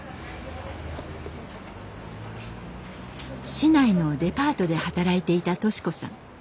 市内のデパートで働いていた敏子さん。